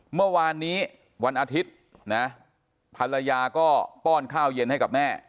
เมื่อวานนี้วันอาทิตย์นะภรรยาก็ป้อนข้าวเย็นให้กับแม่